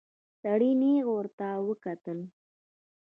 سړي نيغ ورته وکتل.